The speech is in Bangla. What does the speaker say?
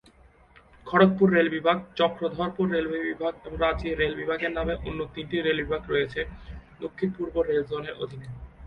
খড়গপুর রেল বিভাগ, চক্রধরপুর রেলওয়ে বিভাগ এবং রাঁচি রেল বিভাগের নামে অন্য তিনটি রেল বিভাগ রয়েছে দক্ষিণ পূর্ব রেল জোনের অধীনে।